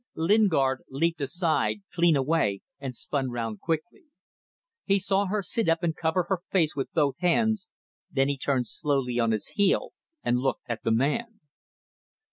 Lingard leaped aside, clean away, and spun round quickly. He saw her sit up and cover her face with both hands, then he turned slowly on his heel and looked at the man.